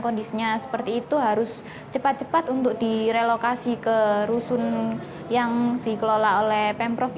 kondisinya seperti itu harus cepat cepat untuk direlokasi ke rusun yang dikelola oleh pemprov